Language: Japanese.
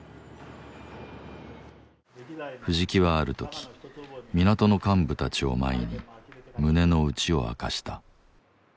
藤木はある時港の幹部たちを前に胸の内を明かした。